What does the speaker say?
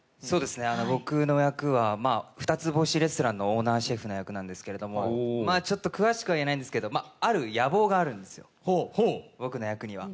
僕の役は二つ星レストランのオーナーシェフの役なんですけど、ちょっと詳しくは言えないんですけどある野望があるんです、僕の役には。